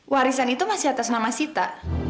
warisan itu masih atas nama sita